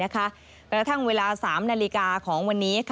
กระทั่งเวลา๓นาฬิกาของวันนี้